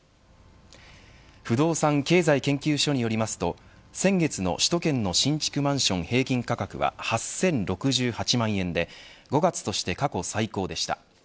不動産経済研究所によりますと先月の首都圏の新築マンション平均価格は８０６８万円で５月として過去最高でした。